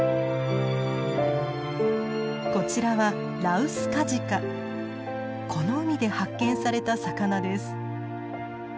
こちらはこの海で発見された魚です。